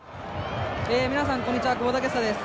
皆さん、こんにちは、久保建英です。